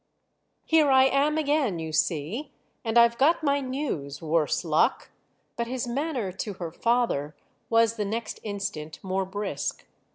"Here I am again, you see—and I've got my news, worse luck!" But his manner to her father was the next instant more brisk.